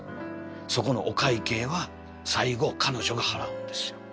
そこのお会計は最後彼女が払うんですよ。